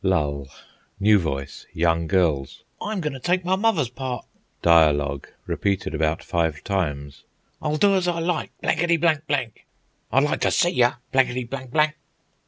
Lull; new voice, young girl's, "I'm goin' ter tyke my mother's part;" dialogue, repeated about five times, "I'll do as I like, blankety, blank, blank!" "I'd like ter see yer, blankety, blank, blank!"